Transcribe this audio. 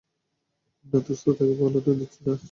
আপনার দোস্ত তাকে পালাতে দিচ্ছে স্যার।